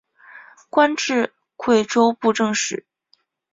官至贵州布政使。